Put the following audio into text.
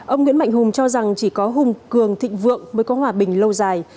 ông nguyễn mạnh hùng cho rằng chỉ có hung cường thịnh vượng mới có hòa bình lâu dài